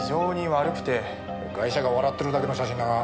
ガイシャが笑ってるだけの写真だな。